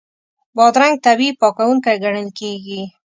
بادرنګ طبیعي پاکوونکی ګڼل کېږي.